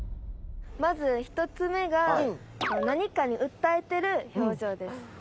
まず１つ目が「何かに訴えてる表情」です。